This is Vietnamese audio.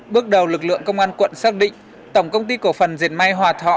bước đầu lực lượng công an quận xác định tổng công ty cổ phần diệt may hòa thọ